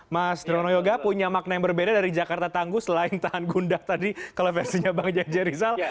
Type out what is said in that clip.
mas rono yoga punya makna yang berbeda dari jakarta tangguh selain tahan gundah tadi kalau versinya bang jj rizal